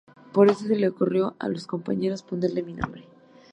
Por eso se le ocurrió a los compañeros ponerle mi nombre".